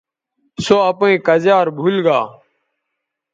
سو اپئیں کزیار بھول گا